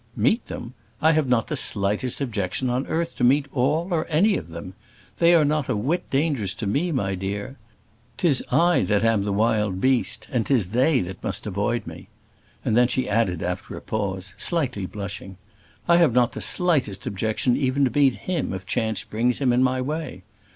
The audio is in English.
"Meet them! I have not the slightest objection on earth to meet all, or any of them. They are not a whit dangerous to me, my dear. 'Tis I that am the wild beast, and 'tis they that must avoid me," and then she added, after a pause slightly blushing "I have not the slightest objection even to meet him if chance brings him in my way.